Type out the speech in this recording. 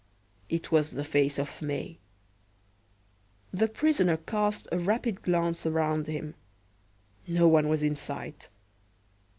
It was the face of May. The prisoner cast a rapid glance around him. No one was in sight.